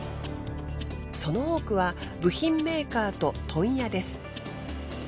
その多くは部品メーカーと問屋です。